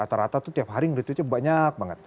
rata rata itu tiap hari ngeretweetnya banyak banget